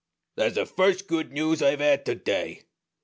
"That's the first good news I've had to day.